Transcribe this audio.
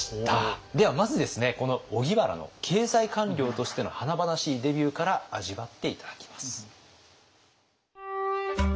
ではまずですねこの荻原の経済官僚としての華々しいデビューから味わって頂きます。